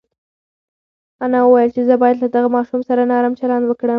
انا وویل چې زه باید له دغه ماشوم سره نرم چلند وکړم.